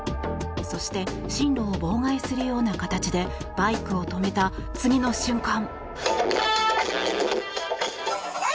そして進路を妨害するような形でバイクを止めた次の瞬間。